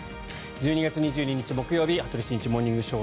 １２月２２日、木曜日「羽鳥慎一モーニングショー」。